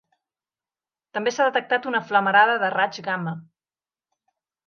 També s'ha detectat una flamarada de raigs gamma.